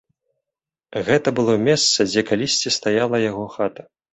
Гэта было месца, дзе калісьці стаяла яго хата.